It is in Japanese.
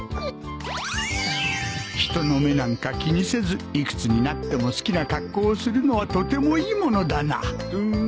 人の目なんか気にせず幾つになっても好きな格好をするのはとてもいいものだなん？